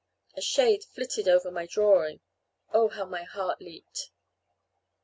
A shade flitted over my drawing oh, how my heart leaped!